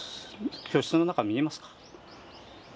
教室の中見えますか？